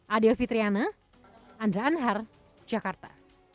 adia fitriana andra anhar jakarta